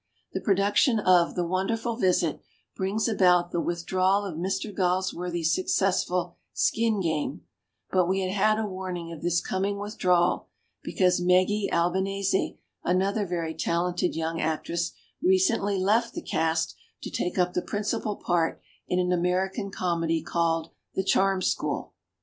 The production of "The Won derful Visit" brings about the with drawal of Mr. Galsworthy's successful "Skin Game", but we had had a warn ing of this coming withdrawal, be cause Meggie Albanesi, another very talented young actress, recently left the cast to take up the principal part in an American comedy called "The Charm School".